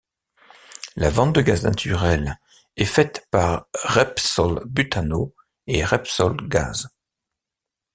La vente de gaz naturel est faite par Repsol Butano et Repsol Gas.